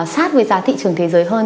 sát với giá thị trường thế giới hơn